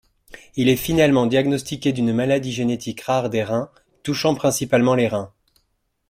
Il est finalement diagnostiqué d'une maladie génétique rare des reins, touchant principalement les reins.